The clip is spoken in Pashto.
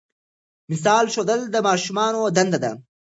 مثال ښودل د ماشومانو دنده ده.